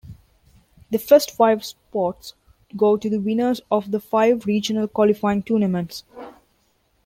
The first five spots go to the winners of the five regional qualifying tournaments.